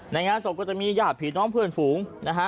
งานศพก็จะมีญาติผีน้องเพื่อนฝูงนะฮะ